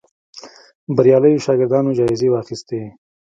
بریالیو شاګردانو جایزې واخیستې